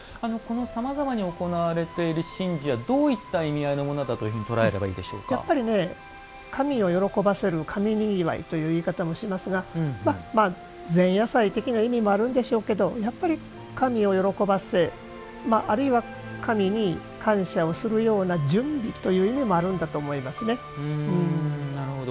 さまざまに行われている神事はどういった意味合いだというふうに捉えればやっぱり神を喜ばせる神にぎわいという言い方もしますが前夜祭的な意味もあるんでしょうけどやっぱり神を喜ばせあるいは、神に感謝をするような準備という意味もあるんだなるほど。